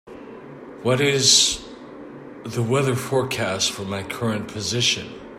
What is the weather forecast for my current position